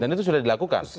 dan itu sudah dilakukan